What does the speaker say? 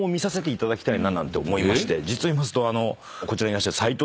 実を言いますとこちらにいらっしゃる。